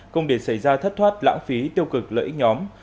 không để xảy ra thất thoát lãng phí tiêu cực lợi ích nhóm